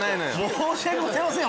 申し訳ございません